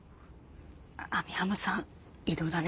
網浜さん異動だね。